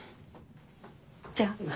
じゃあ。